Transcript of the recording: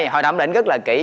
họ thẩm định rất là kỹ